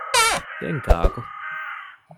ދެން ކާކު؟